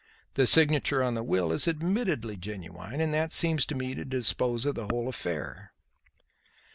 The signature on the will is admittedly genuine, and that seems to me to dispose of the whole affair."